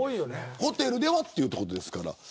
ホテルではということですから。